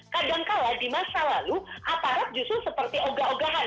kadang kadang di masa lalu aparat justru seperti ogah ogahan